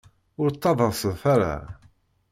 Ur ttaḍḍaset aṭas.